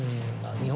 日本